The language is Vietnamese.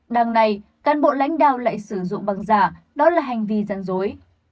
đằng này cán bộ lãnh đạo lại sử dụng bằng giả đó là hành vi gian dối